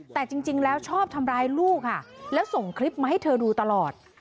แต่จริงแล้วชอบทำร้ายลูกค่ะแล้วส่งคลิปมาให้เธอดูตลอด